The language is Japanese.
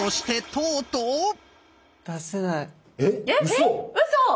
えっうそ